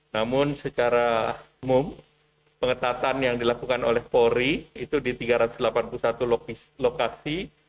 namun secara umum pengetatan yang dilakukan oleh polri itu di tiga ratus delapan puluh satu lokasi